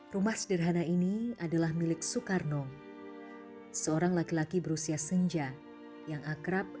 rumah sederhana ini adalah milik soekarno seorang laki laki berusia senja yang akrab